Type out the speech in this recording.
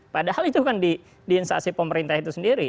padahal itu kan di instansi pemerintah itu sendiri